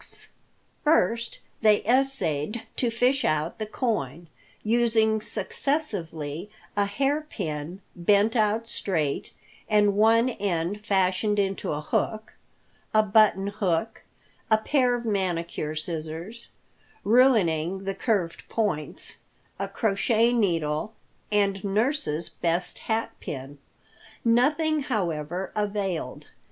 First they essayed to fish out the coin, using successively a hair pin bent out straight and one end fashioned into a hook, a buttonhook, a pair of manicure scissors, ruining the curved points, a crochet needle, and nurse's best hat pin. Nothing, however, availed.